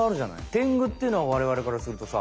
テングっていうのはわれわれからするとさ。